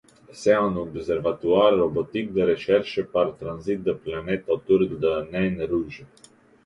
C'est un observatoire robotique de recherche par transit de planètes autour de naines rouges.